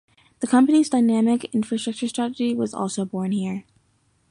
The company's Dynamic Infrastructures strategy, was also born here.